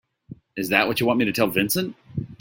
Is that what you want me to tell Vincent?